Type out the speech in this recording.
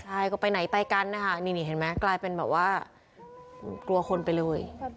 ใช่ก็ไปไหนไปกันนะคะนี่เห็นไหมกลายเป็นแบบว่ากลัวคนไปเลย